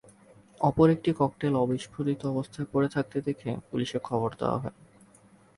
অপর একটি ককটেল অবিস্ফোরিত অবস্থায় পড়ে থাকতে দেখে পুলিশে খবর দেওয়া হয়।